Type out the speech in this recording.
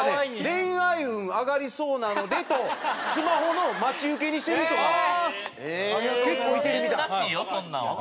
「恋愛運上がりそうなので」とスマホの待ち受けにしてる人が結構いてるみたい。